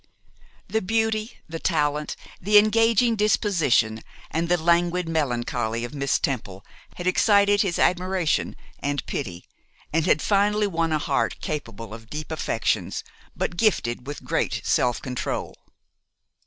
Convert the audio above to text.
The beauty, the talent, the engaging disposition, and the languid melancholy of Miss Temple, had excited his admiration and pity, and had finally won a heart capable of deep affections, but gifted with great self control.